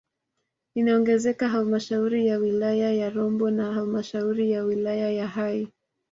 Inaongezeka halmashauri ya wilaya ya Rombo na halmashauri ya wilaya ya Hai